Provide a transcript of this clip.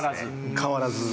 変わらず。